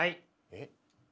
えっ？